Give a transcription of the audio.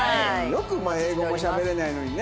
よくお前英語もしゃべれないのにね